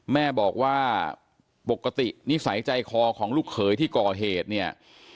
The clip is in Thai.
แม่บอกว่าปกตินิสัยใจคอของลูกเขยที่ก่อเหตุเนี่ย